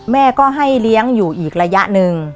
แม่ก็ให้เลี้ยงอยู่อีกระยะหนึ่ง